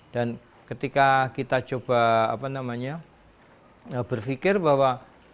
dan ketika kita coba berfikir bahwa